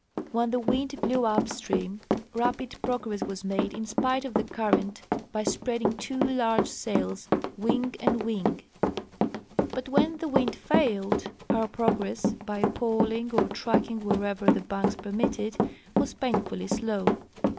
When the wind blew up stream rapid progress was made in spite of the current by spreading two large sails wing and wing, but when the wind failed our progress, by poling or tracking wherever the banks permitted, was painfully slow.